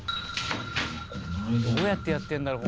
「どうやってやってるんだろう？